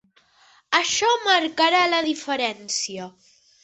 Això marcarà la diferència.